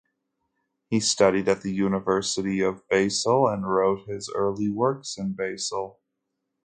He studied at the University of Basel, and wrote his early works in Basel.